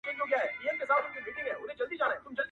• سړی پوه وو چي غمی مي قېمتي دی,